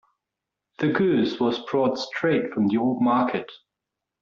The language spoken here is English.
The goose was brought straight from the old market.